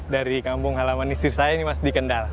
dari kampung halaman istri saya ini mas di kendal